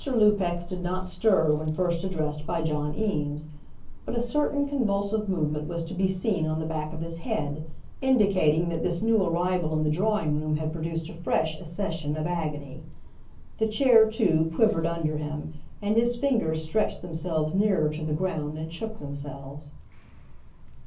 Lupex did not stir when first addressed by John Eames, but a certain convulsive movement was to be seen on the back of his head, indicating that this new arrival in the drawing room had produced a fresh accession of agony. The chair, too, quivered under him, and his fingers stretched themselves nearer to the ground and shook themselves.